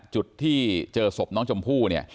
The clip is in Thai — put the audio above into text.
จุดที่เจอศพน้องชมพู่เนี่ย